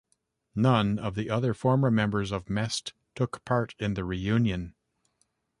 None of the other former members of Mest took part in the reunion.